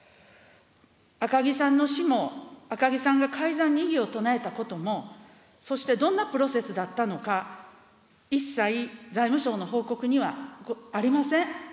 赤木さんの死も、赤木さんが改ざんに異議を唱えたことも、そしてどんなプロセスだったのか、一切財務省の報告にはありません。